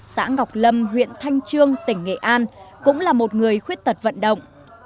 xã ngọc lâm huyện thanh trương tỉnh nghệ an cũng là một người khuyết tật vận động